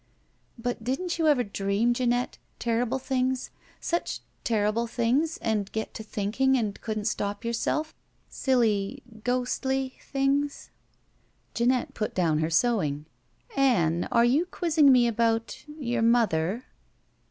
"But didn't you ever dream, Jeanette — ^terrible things — such terrible things — and get to thinking and couldn't stop yourself? Silly, ghostly — ^things." Jeanette put down her sewing. "Ann, are you quizzing me about — your mother?"